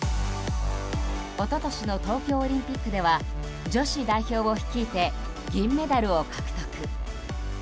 一昨年の東京オリンピックでは女子代表を率いて銀メダルを獲得。